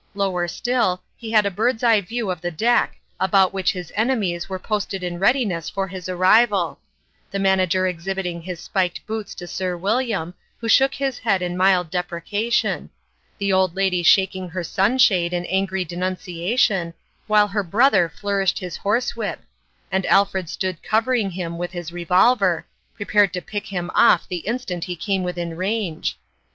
Lower still, he had a bird's eye view of the deck, about which his enemies were posted in readiness for his arrival : the Manager exhibiting his spiked boots to Sir William, who shook his head in mild deprecation ; the old lady shaking her sunshade in angry denuncia tion, while her brother flourished his horse whip ; and Alfred stood covering him with his revolver, prepared to pick him off the instant he came within range